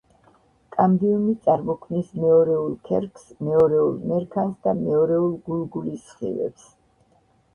კამბიუმი წარმოქმნის მეორეულ ქერქს, მეორეულ მერქანს და მეორეულ გულგულის სხივებს.